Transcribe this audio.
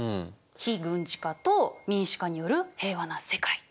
非軍事化と民主化による平和な世界。